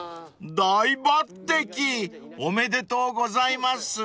［大抜てきおめでとうございます］